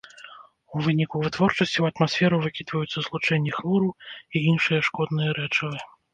У выніку вытворчасці ў атмасферу выкідваюцца злучэнні хлору і іншыя шкодныя рэчывы.